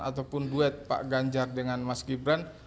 ataupun duet pak ganjar dengan mas gibran